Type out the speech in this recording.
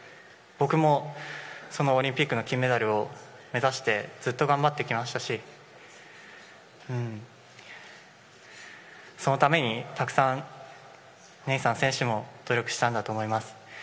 僕も、そのオリンピックの金メダルを目指してずっと頑張ってきましたしそのためにたくさんネイサン選手も努力したんだと思います。